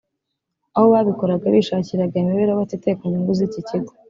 Aho babikoraga bishakiraga imibereho batitaye ku nyungu z’iki kigo